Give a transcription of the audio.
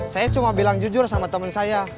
saya cuma bilang jujur sama teman saya